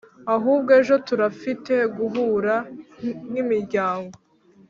ahubwo ejo turafite guhura nk’imiryango